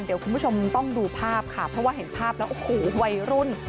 เดี๋ยวคุณผู้ชมต้องดูภาพค่ะเพราะว่าเห็นภาพแล้วโอ้โหวัยรุ่น